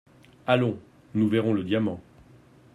Allons ! nous verrons le diamant…